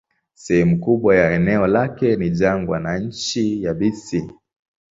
Sehemu kubwa ya eneo lake ni jangwa na nchi yabisi.